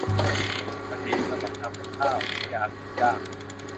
คดีสมัครทำกับข้าว-นิยาม "ลูกจ้าง"